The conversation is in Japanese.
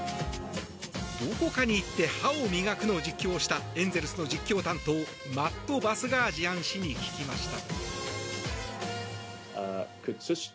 ドコカニイッテ、ハヲミガクの実況をしたエンゼルスの実況担当マット・バスガージアン氏に聞きました。